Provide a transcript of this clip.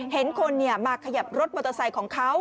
เห็นคนมาขยับรถมอเตอร์ไซค์ของเขา